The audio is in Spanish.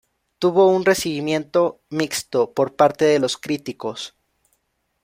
Tuvo un recibimiento mixto por parte de los críticos.